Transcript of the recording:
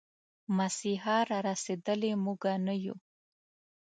مسيحا را رسېدلی، موږه نه يو